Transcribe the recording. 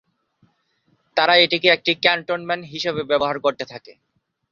তারা এটিকে একটি ক্যান্টনমেন্ট হিসেবে ব্যবহার করতে থাকে।